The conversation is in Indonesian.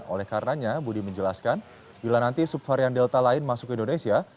oleh karenanya budi menjelaskan bila nanti subvarian delta lain masuk ke indonesia